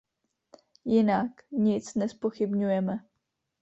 Jinak nic nezpochybňujeme.